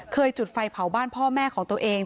จุดไฟเผาบ้านพ่อแม่ของตัวเอง